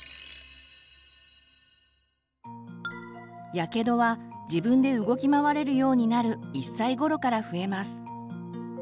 やけどは自分で動き回れるようになる１歳ごろから増えます。